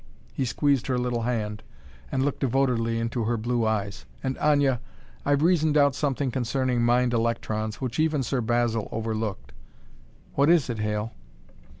He squeezed her little hand and looked devotedly into her blue eyes. "And, Aña, I've reasoned out something concerning mind electrons which even Sir Basil overlooked." "What is it, Hale?"